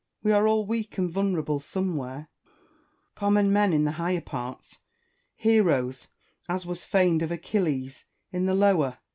We are all weak and vulnerable somewhere : common men in the higher parts ; heroes, as was feigned of Achilles, in the lower.